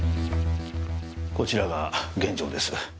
こちらが現場です。